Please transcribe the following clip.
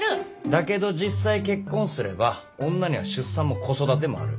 だけど実際結婚すれば女には出産も子育てもある。